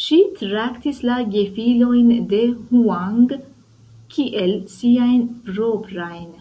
Si traktis la gefilojn de Huang kiel siajn proprajn.